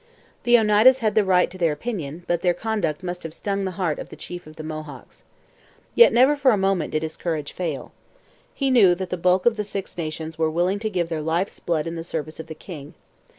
The Oneidas had the right to their opinion, but their conduct must have stung the heart of the chief of the Mohawks. Yet never for a moment did his courage fail. He knew that the bulk of the Six Nations were willing to give their life's blood in the service of the king.